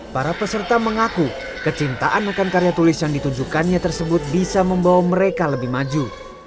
para peserta mengaku kecintaan akan karya tulis yang ditunjukkannya tersebut bisa membawa mereka lebih maju